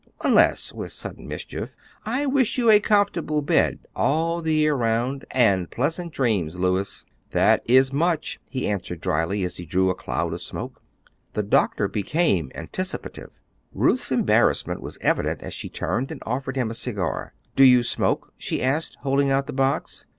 "Unless," with sudden mischief, "I wish you a comfortable bed all the year round and pleasant dreams, Louis." "That is much," he answered dryly as he drew a cloud of smoke. The doctor became anticipative. Ruth's embarrassment was evident as she turned and offered him a cigar. "Do you smoke?" she asked, holding out the box.